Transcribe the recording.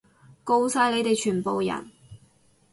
吿晒你哋全部人！